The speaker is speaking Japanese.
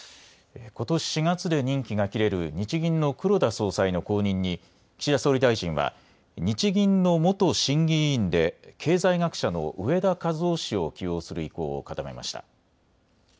ことし４月で任期が切れる日銀の黒田総裁の後任に、岸田総理大臣は、日銀の元審議委員で、経済学者の植田和男氏を起用する意向を固めました。